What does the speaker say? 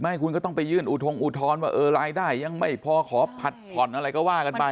ไม่คุณก็ต้องไปยื่นอุทงอุทธรณ์ว่ารายได้ยังไม่พอขอผัดผ่อนอะไรก็ว่ากันไป